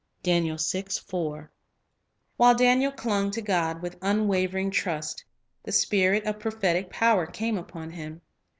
1 While Daniel clung to God with unwavering trust, the spirit of prophetic power came upon him.